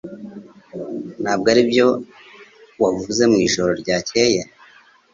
Ntabwo aribyo wavuze mwijoro ryakeye